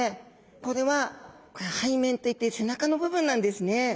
これは背面といって背中の部分なんですね。